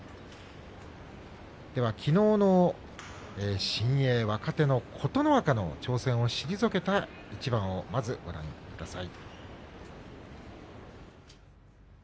では、きのうの新鋭琴ノ若の挑戦を退けた一番をまずご覧ください。